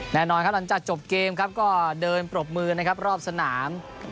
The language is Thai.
แน่นอนครับหลังจากจบเกมเราก็เดินปลบมือรอบสนาม